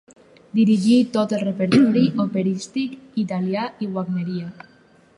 Dirigí tot el repertori operístic italià i wagnerià.